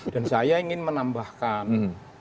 dan saya ingin menambahkan